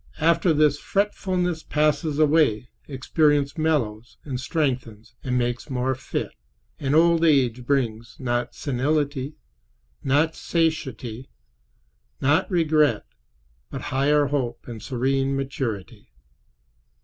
After this fretfulness passes away, experience mellows and strengthens and makes more fit, and old age brings, not senility, not satiety, not regret, but higher hope and serene maturity.